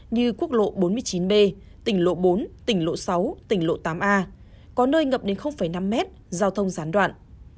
như quốc lộ bốn mươi chín b tỉnh lộ bốn tỉnh lộ sáu tỉnh lộ tám a có nơi ngập đến năm mét giao thông gián đoạn